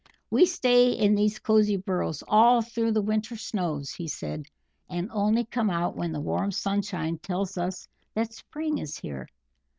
"We stay in these cosy burrows all through the winter snows," he said, "and only come out when the warm sunshine tells us that spring is here.